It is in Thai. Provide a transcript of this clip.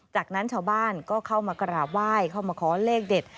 จากนั้นชาวบ้านก็เข้ามากราบไหว้เข้ามาขอเลขเด็ด